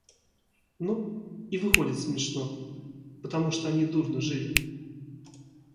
Ну, и выходит смешно, потому что они дурно жили.